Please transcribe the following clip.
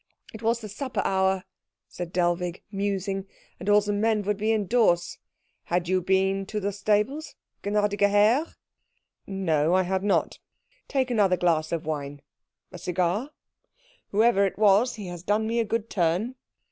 "It was the supper hour," said Dellwig, musing, "and the men would all be indoors. Had you been to the stables, gnädiger Herr?" "No, I had not. Take another glass of wine. A cigar? Whoever it was, he has done me a good turn."